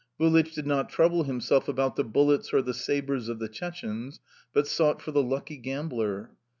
Vulich did not trouble himself about the bullets or the sabres of the Chechenes, but sought for the lucky gambler.